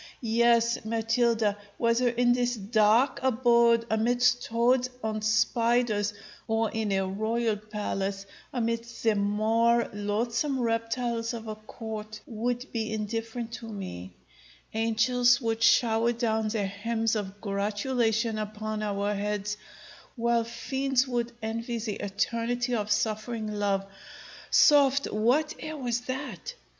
Yes, Matilda, whether in this dark abode, amidst toads and spiders, or in a royal palace, amidst the more loathsome reptiles of a court, would be indifferent to me; angels would shower down their hymns of gratulation upon our heads, while fiends would envy the eternity of suffering love Soft; what air was that?